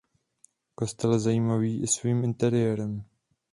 Kostel je zajímavý i svým interiérem.